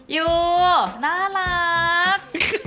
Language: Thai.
ยูน่ารัก